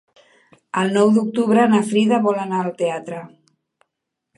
El nou d'octubre na Frida vol anar al teatre.